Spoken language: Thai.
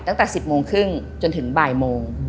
ตั้งแต่๑๐โมงครึ่งจนถึงบ่ายโมง